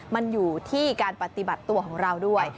มันอยู่ที่การปฏิบัติตัวของเราด้วย